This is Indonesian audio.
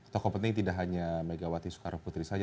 tokoh penting tidak hanya megawati soekarnoputri saja